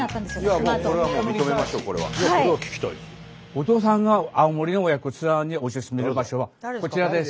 お父さんが青森の親子ツアーにおすすめの場所はこちらです。